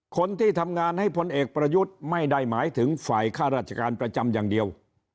คนที่ทำงานให้พลเอกประยุทธ์ไม่ได้หมายถึงฝ่ายค่าราชการประจำอย่างเดียว